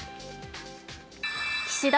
岸田